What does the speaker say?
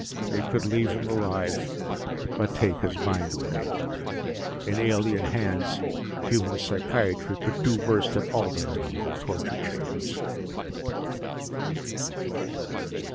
They could leave him alive, but take his mind away. In alien hands, human psychiatry could do worse than all the medieval torture chambers!